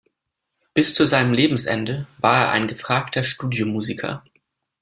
Bis zu seinem Lebensende war er ein gefragter Studiomusiker.